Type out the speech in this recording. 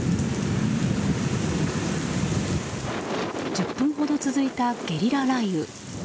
１０分ほど続いたゲリラ雷雨。